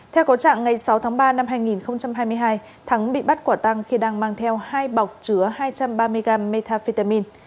theo có trạng ngày sáu tháng ba năm hai nghìn hai mươi hai thắng bị bắt quả tăng khi đang mang theo hai bọc chứa hai trăm ba mươi gram metafetamin